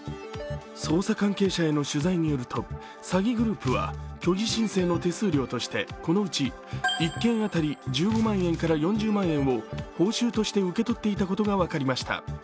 捜査関係者への取材によると、詐欺グループは虚偽申請の手数料としてこのうち１件当たり１５万円から４０万円を報酬として受け取っていたことが分かりました。